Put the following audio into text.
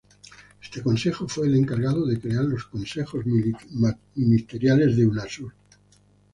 Este consejo fue el encargado de crear los consejos ministeriales de Unasur.